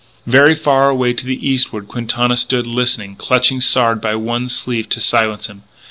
Very far away to the eastward Quintana stood listening, clutching Sard by one sleeve to silence him.